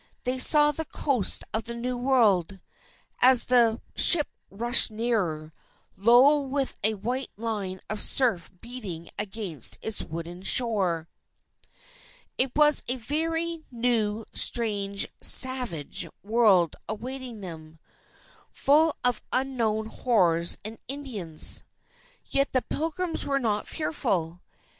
They saw the coast of the New World, as the ship rushed nearer, low with a white line of surf beating against its wooded shore. It was a very new, strange, savage world awaiting them, full of unknown horrors and Indians. Yet the Pilgrims were not fearful.